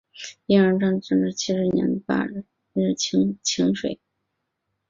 然而因为同治十年七月廿八日请水。